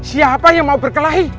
siapa yang mau berkelahi